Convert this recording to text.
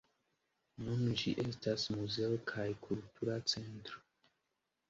Nun ĝi estas muzeo kaj kultura centro.